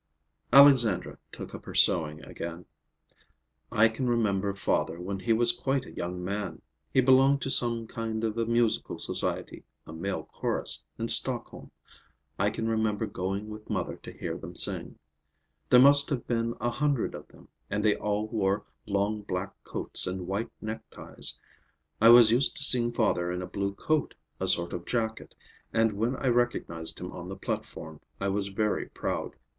Alexandra took up her sewing again. "I can remember father when he was quite a young man. He belonged to some kind of a musical society, a male chorus, in Stockholm. I can remember going with mother to hear them sing. There must have been a hundred of them, and they all wore long black coats and white neckties. I was used to seeing father in a blue coat, a sort of jacket, and when I recognized him on the platform, I was very proud.